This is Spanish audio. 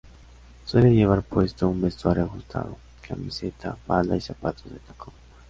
Suele llevar puesto un vestuario ajustado: camiseta, falda y zapatos de tacón.